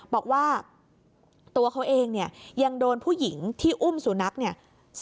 บอกว่าตัวเขาเองเนี่ยยังโดนผู้หญิงที่อุ้มสุนัขเนี่ย